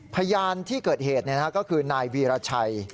พยานที่เกิดเหตุก็คือนายวีรชัย